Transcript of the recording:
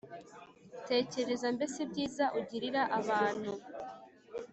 tekereza mbese ibyiza ugirira abantu: